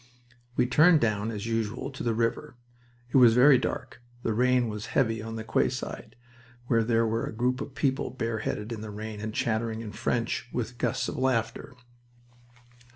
We turned down as usual to the river. It was very dark the rain was heavy on the quayside, where there was a group of people bareheaded in the rain and chattering in French, with gusts of laughter.